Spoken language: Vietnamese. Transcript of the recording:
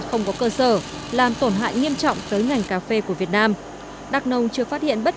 không có cơ sở làm tổn hại nghiêm trọng tới ngành cà phê của việt nam đắk nông chưa phát hiện bất